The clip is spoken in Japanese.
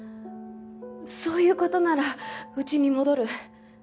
そういう事ならうちに戻る。